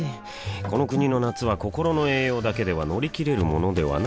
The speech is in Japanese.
この国の夏は心の栄養だけでは乗り切れるものではない